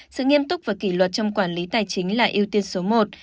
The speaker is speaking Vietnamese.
sự nghiêm túc và kỷ luật trong quản lý tài chính là ưu tiên số một